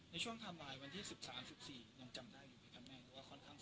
ในช่วงทำลายวันที่สิบสามสองสี่ค่ะ